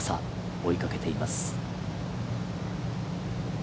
追いかけています。